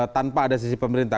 tanpa ada sisi pemerintah